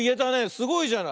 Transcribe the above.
すごいじゃない。